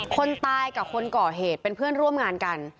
คนตายกับคนก่อเหตุเป็นเพื่อนร่วมงานกัน